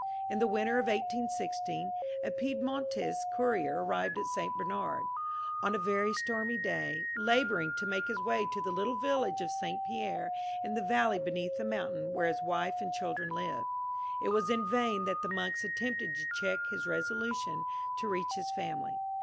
In the winter of 1816, a Piedmontese courier arrived at St. Bernard on a very stormy day, labouring to make his way to the little village of St. Pierre, in the valley beneath the mountain, where his wife and children lived. It was in vain that the monks attempted to check his resolution to reach his family.